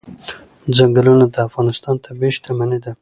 ځنګلونه د افغانستان طبعي شتمني ده.